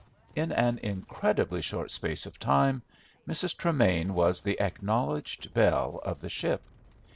In an incredibly short space of time Mrs. Tremain was the acknowledged belle of the ship.